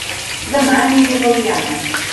Dema aniré a Belianes